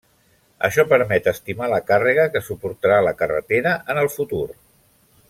Això permet estimar la càrrega que suportarà la carretera en el futur.